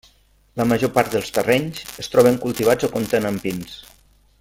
La major part dels terrenys es troben cultivats o compten amb pins.